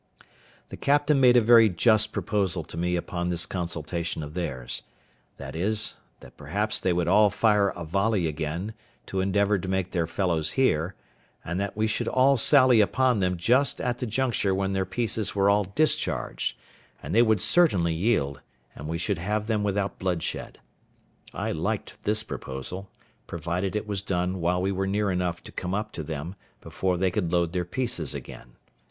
The captain made a very just proposal to me upon this consultation of theirs, viz. that perhaps they would all fire a volley again, to endeavour to make their fellows hear, and that we should all sally upon them just at the juncture when their pieces were all discharged, and they would certainly yield, and we should have them without bloodshed. I liked this proposal, provided it was done while we were near enough to come up to them before they could load their pieces again.